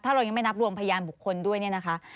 ถ้าเรายังไม่นับรวมพยานบุคคลด้วยเนี่ยนะคะ